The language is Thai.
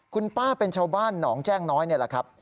คุณป้าเป็นชาวบ้านหนองแจ้งน้อยนี่แหละครับ